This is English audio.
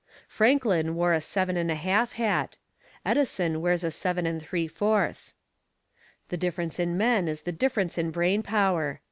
Franklin wore a seven and a half hat; Edison wears a seven and three fourths. The difference in men is the difference in brain power.